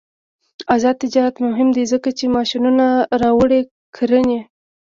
آزاد تجارت مهم دی ځکه چې ماشینونه راوړي کرنې.